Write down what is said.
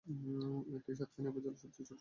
এটি সাতকানিয়া উপজেলার সবচেয়ে ছোট ইউনিয়ন।